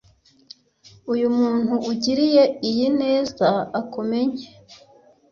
uyu muntu ugiriye iyineza akumenye